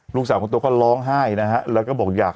ประมาณกี่โมงคะ